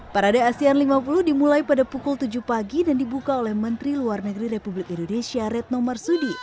parade asean lima puluh dimulai pada pukul tujuh pagi dan dibuka oleh menteri luar negeri republik indonesia retno marsudi